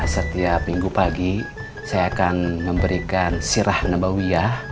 setiap minggu pagi saya akan memberikan sirah nabawiyah